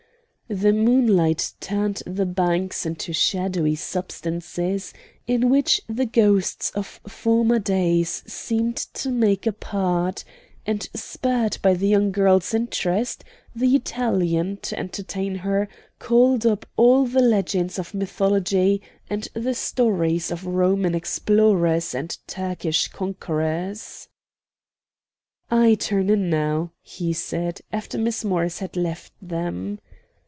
The moonlight turned the banks into shadowy substances, in which the ghosts of former days seemed to make a part; and spurred by the young girl's interest, the Italian, to entertain her, called up all the legends of mythology and the stories of Roman explorers and Turkish conquerors. "I turn in now," he said, after Miss Morris had left them.